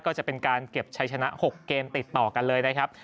จะเป็นการเก็บชัยชนะ๖เกมติดต่อกันเลยนะครับ